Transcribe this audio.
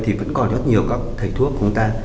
thì vẫn còn rất nhiều các thầy thuốc của chúng ta